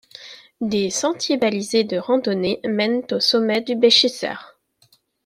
Des sentiers balisés de randonnée mènent au sommet du Bschießer.